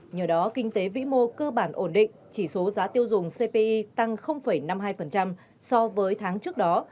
nhờ đó kinh tế vĩ mô cơ bản ổn định chỉ số giá tiêu dùng cpi tăng năm mươi hai so với tháng trước đó